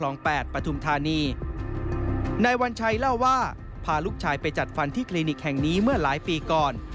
นายวัญชัยเล่าว่าพาลูกชายไปจัดฟันที่คลินิกแห่งนี้เมื่อหลายปีก่อน